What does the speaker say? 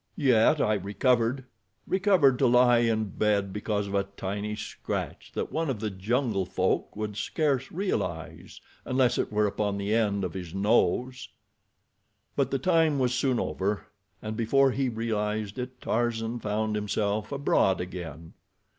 Yet I recovered—recovered to lie in bed because of a tiny scratch that one of the jungle folk would scarce realize unless it were upon the end of his nose." But the time was soon over, and before he realized it Tarzan found himself abroad again.